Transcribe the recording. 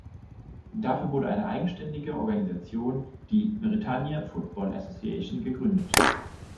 Dafür wurde eine eigenständige Organisation, die "Bretagne Football Association", gegründet.